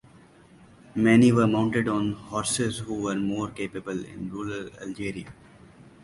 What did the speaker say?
Many were mounted on horses who were more capable in rural Algeria.